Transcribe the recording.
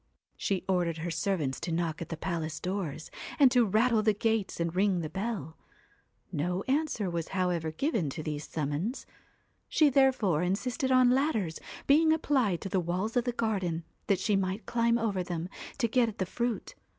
She ordered her servants to knock at the palace doors, and to rattle the gates and ring the bell; no answer was however given to these summonses. She therefore insisted on ladders being applied to the walls of the garden, that she might climb over them, to get at the fruit.